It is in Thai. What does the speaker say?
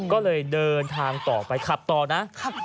ก็เลยเดินทางต่อไปขับต่อนะ